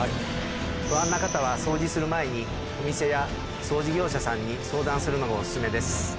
不安な方は掃除する前に、お店や掃除業者さんに相談するのもお勧めです。